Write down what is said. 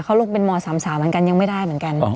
เขาลงเป็นมสยังไม่ได้เหมือนกัน